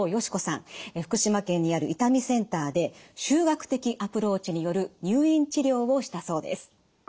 福島県にある痛みセンターで集学的アプローチによる入院治療をしたそうです。